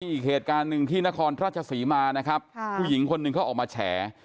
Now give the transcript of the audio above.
อีกเหตุการณ์หนึ่งที่นครราชศรีมานะครับผู้หญิงคนหนึ่งเขาออกมาแฉ